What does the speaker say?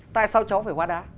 tại sao cháu phải hóa đá